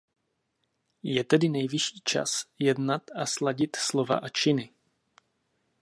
Je tedy nejvyšší čas jednat a sladit slova a činy.